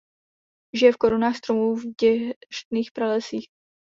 Žije v korunách stromů v deštných pralesích.